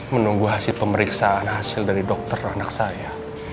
menunggu hasil pemeriksaan hasil dari dokter anak saya